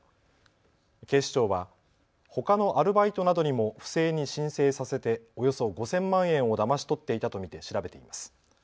警視庁はほかのアルバイトなどにも不正に申請させておよそ５０００万円をだまし取っていたと見て調べています。